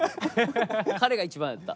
彼が一番やった。